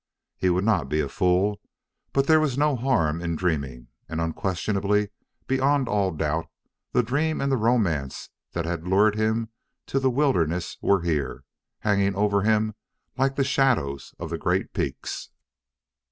He would not be a fool, but there was no harm in dreaming. And unquestionably, beyond all doubt, the dream and the romance that had lured him to the wilderness were here; hanging over him like the shadows of the great peaks.